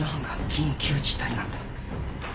緊急事態なんだ。